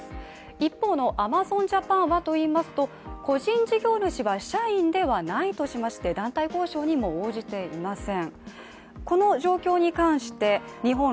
一方のアマゾンジャパンはといいますと個人事業主は社員ではないとしまして団体交渉にも応じていません。